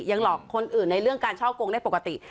หลอกคนอื่นในเรื่องการช่อกงได้ปกติ